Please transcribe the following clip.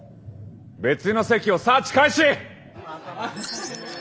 別の席をサーチ開始！